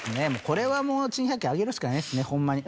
これはもう珍百景あげるしかないですねホンマに。